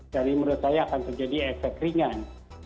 jadi menurut saya akan terjadi efek ringan